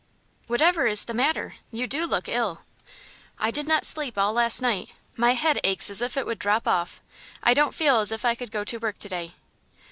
"Whatever is the matter? You do look ill." "I did not sleep all last night. My head aches as if it would drop off. I don't feel as if I could go to work to day."